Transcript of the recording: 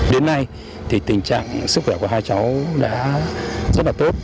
đến nay thì tình trạng sức khỏe của hai cháu đã rất là tốt